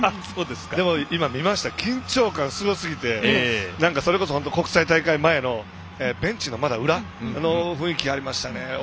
でも、今見ましたけど緊張感がすごすぎて国際大会前のベンチの裏のあの雰囲気がありました。